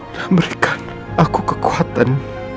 dan berikan aku kekuatan